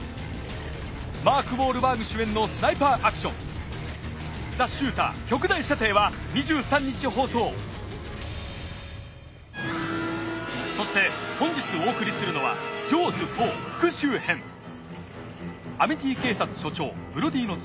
マーク・ウォールバーグ主演のスナイパーアクション『ザ・シューター極大射程』は２３日放送そして本日お送りするのはアミティ警察署長ブロディの妻